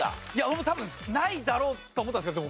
俺も多分ないだろうと思ったんですけど。